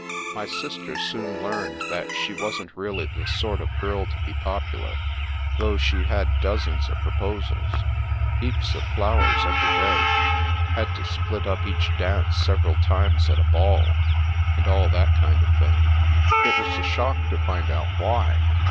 My sister soon learned that she wasn't really the sort of girl to be popular, though she had dozens of proposals, heaps of flowers every day, had to split up each dance sev eral times at a ball, and all that kind of thing. It was a shock to find out why.